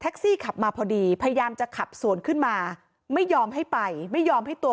แต่แท็กซี่เขาก็บอกว่าแท็กซี่ควรจะถอยควรจะหลบหน่อยเพราะเก่งเทาเนี่ยเลยไปเต็มคันแล้ว